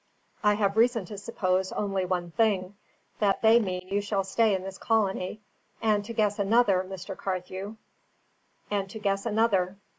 I have reason to suppose only one thing, that they mean you shall stay in this colony, and to guess another, Mr. Carthew. And to guess another."